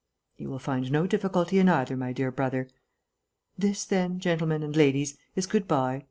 "You will find no difficulty in either, my dear brother.... This, then, gentlemen and ladies, is good bye.